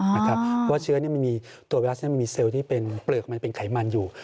เพราะว่าเชื้อมันมีตัวไวรัสมันมีเซลล์ที่เป็นเปลือกมันเป็นไขมันอยู่